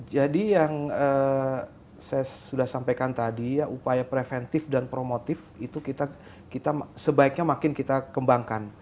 jadi yang saya sudah sampaikan tadi upaya preventif dan promotif itu sebaiknya makin kita kembangkan